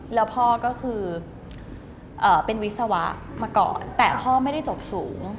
แล้วพ่อก็คือเป็นวิศวะมาก่อนแต่พ่อไม่ได้จบสูง